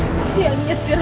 mesti aku yang nyetir